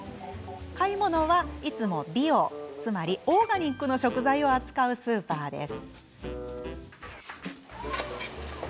買い物は、いつもビオつまりオーガニックの食材を扱うスーパーです。